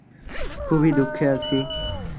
খুবই দুঃখে আছি!